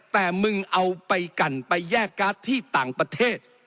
แต่มึงเอาไปกันไปแยกการ์ดที่ต่างประเทศ